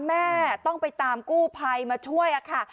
แม่ต้องไปตามกู้ภัยมาช่วยค่ะ